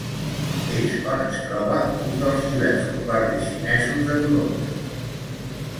És on es troba un dels diversos barris xinesos de Toronto.